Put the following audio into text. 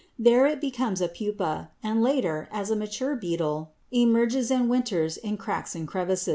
There it becomes a pupa, and later, as a mature beetle, emerges and winters in cracks and crevices.